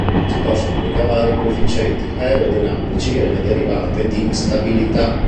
Quindi si possono ricavare i coefficienti aerodinamici e le derivate di stabilità.